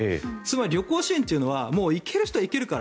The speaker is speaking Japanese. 旅行支援というのは行ける人は行けるから。